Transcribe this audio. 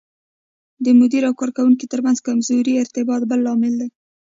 د مدیر او کارکوونکو ترمنځ کمزوری ارتباط بل لامل دی.